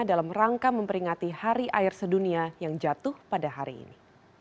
dalam rangka memperingati hari air sedunia yang jatuh pada hari ini